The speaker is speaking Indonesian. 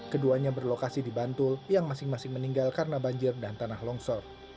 keduanya berlokasi di bantul yang masing masing meninggal karena banjir dan tanah longsor